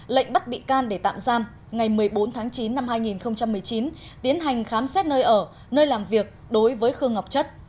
lệnh bắt bị can để tạm giam ngày một mươi bốn tháng chín năm hai nghìn một mươi chín tiến hành khám xét nơi ở nơi làm việc đối với khương ngọc chất